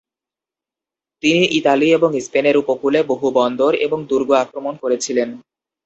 তিনি ইতালি এবং স্পেনের উপকূলে বহু বন্দর এবং দূর্গ আক্রমণ করেছিলেন।